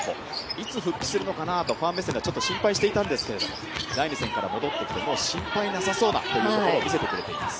いつ復帰するのかなとファン目線で心配してたんですけども第２戦から戻ってきてもう心配なさそうだというところ見せています。